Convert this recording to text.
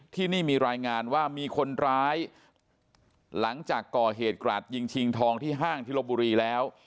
ที่นี่มีรายงานว่ามีคนร้ายหลังจากก่อเหตุกราดยิงชิงทองที่ห้างที่ลบบุรีแล้ว